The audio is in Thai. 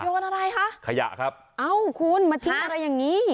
อะไรคะขยะครับเอ้าคุณมาทิ้งอะไรอย่างนี้